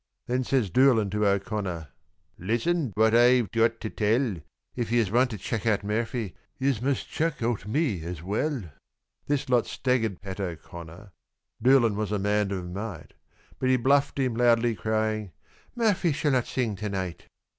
Then says Doolan to O'Connor, "Listen what Oi've got to tell; If yez want to chuck out Murphy, yez must chuck out me as well." This lot staggered Pat O'Connor, Doolan was a man of might; But he bluffed him, loudly crying, "Murphy shall not sing to night."